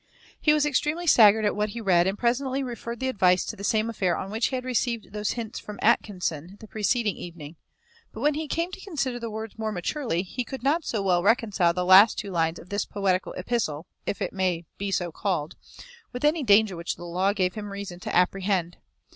He was extremely staggered at what he read, and presently referred the advice to the same affair on which he had received those hints from Atkinson the preceding evening; but when he came to consider the words more maturely he could not so well reconcile the two last lines of this poetical epistle, if it may be so called, with any danger which the law gave him reason to apprehend.